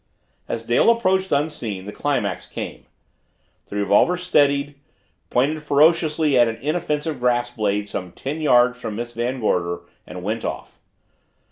As Dale approached, unseen, the climax came. The revolver steadied, pointed ferociously at an inoffensive grass blade some 10 yards from Miss Van Gorder and went off.